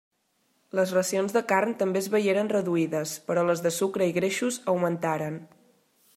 Les racions de carn també es veieren reduïdes, però les de sucre i greixos augmentaren.